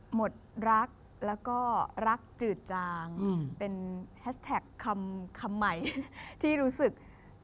หมดรักแล้วก็รักจืดจางเป็นแฮชแท็กคำใหม่ที่รู้สึก